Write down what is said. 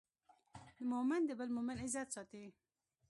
مؤمن د بل مؤمن عزت ساتي.